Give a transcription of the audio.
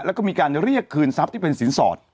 แล้วก็มีการเรียกคืนทรัพย์ที่เป็นสินสอด